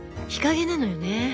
日陰なのよね。